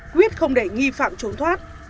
quyết không để nghi phạm trốn thoát